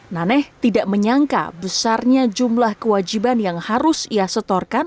naneh tidak menyangka besarnya jumlah kewajiban yang harus ia setorkan